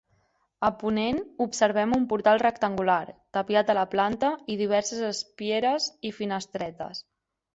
A ponent observem un portal rectangular, tapiat a la planta, i diverses espieres i finestretes.